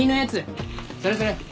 それそれ。